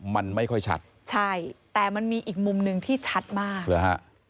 มันไม่ค่อยชัดใช่แต่มันมีอีกมุมหนึ่งที่ชัดมากหรือฮะ